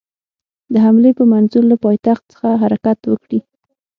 د حملې په منظور له پایتخت څخه حرکت وکړي.